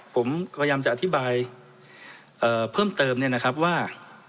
ผมพยายามจะอธิบายเพิ่มเติมเนี่ยนะครับว่า